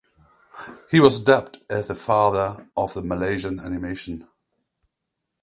He was dubbed as the "Father of the Malaysian animation".